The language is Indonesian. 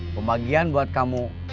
pembagian buat kamu